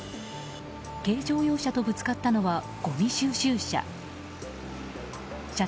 軽乗用車とぶつかったのはごみ収集車。